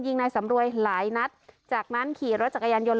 ยิงนายสำรวยหลายนัดจากนั้นขี่รถจักรยานยนต์